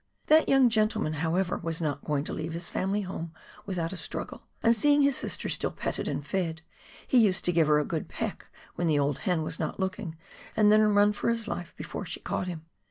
That young gentleman, however, was not going to leave his family home without a struggle, and seeing his sister still petted and fed, he used to give her a good peck when the old hen was not looking, and then run for his life before she caught him.